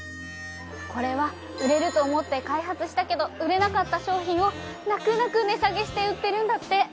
これは売れると思って開発したけど売れなかった商品を泣く泣く値下げして売ってるんだって。